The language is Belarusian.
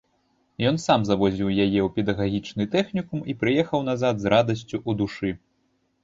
Ён сам завозіў яе ў педагагічны тэхнікум і прыехаў назад з радасцю ў душы.